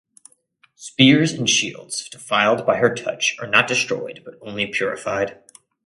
Spears and shields defiled by her touch are not destroyed but only purified.